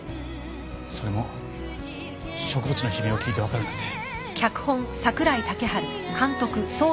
それも植物の悲鳴を聞いてわかるなんて。